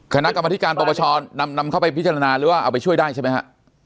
คณะกรรมธิการปปชนำเข้าไปพิจารณาหรือว่าเอาไปช่วยได้ใช่ไหมฮะ